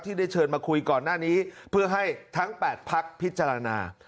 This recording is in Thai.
ได้เชิญมาคุยก่อนหน้านี้เพื่อให้ทั้ง๘พักพิจารณา